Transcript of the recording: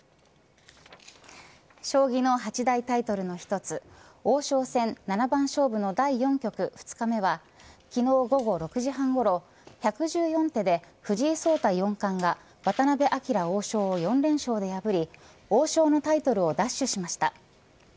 将棋の８大タイトルの一つ王将戦七番勝負の第４局２日目は昨日午後６時半ごろ１１４手で藤井聡太四冠が渡辺明王将を４連勝で破り王将のタイトルを奪取しました。